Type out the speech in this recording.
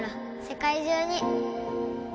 世界中に